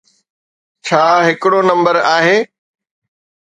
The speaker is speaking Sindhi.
ڇا ھڪڙو نمبر آھي؟